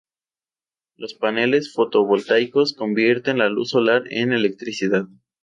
Los paneles fotovoltaicos convierten la luz solar en electricidad.